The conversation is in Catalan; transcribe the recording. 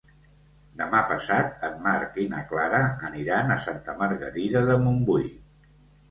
Demà passat en Marc i na Clara aniran a Santa Margarida de Montbui.